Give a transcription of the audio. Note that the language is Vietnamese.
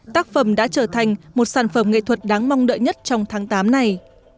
tác phẩm đã trở thành một sản phẩm nghệ thuật đáng mong đợi nhất trong tháng tám này